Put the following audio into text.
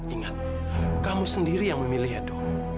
ingat kamu sendiri yang memilih hedo